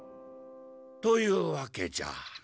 というわけじゃ。